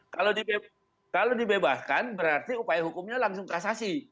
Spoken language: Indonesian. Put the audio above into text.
kalau dibebaskan berarti upaya hukumnya langsung kasasi